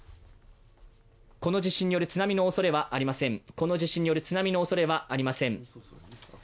この地震による津波のおそれはありません。